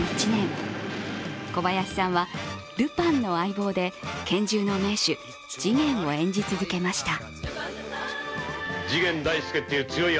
小林さんは、ルパンの相棒で拳銃の名手・次元を演じ続けました。